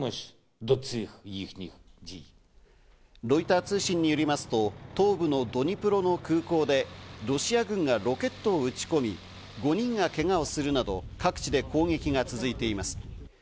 ロイター通信によりますと、東部のドニプロの空港でロシア軍がロケットを撃ち込み、５人がけがをするなど、各地で攻撃が続いています。